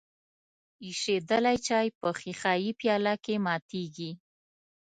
ایشیدلی چای په ښیښه یي پیاله کې ماتیږي.